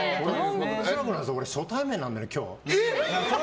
俺、初対面なんでね、俺。